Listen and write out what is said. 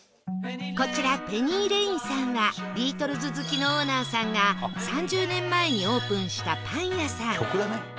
こちらペニーレインさんは ＢＥＡＴＬＥＳ 好きのオーナーさんが３０年前にオープンしたパン屋さん